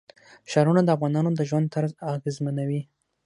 ښارونه د افغانانو د ژوند طرز اغېزمنوي.